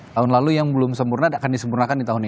tahun lalu yang belum sempurna akan disempurnakan di tahun ini